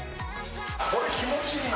これ、気持ちいいな。